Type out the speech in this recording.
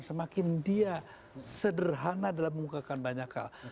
semakin dia sederhana dalam mengukakan banyak hal